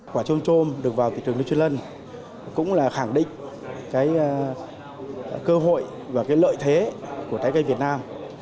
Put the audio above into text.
quả trôm trôm được vào thị trường new zealand cũng là khẳng định cái cơ hội và lợi thế của trái cây việt nam